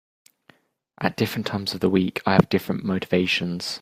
At different times of the week I have different motivations.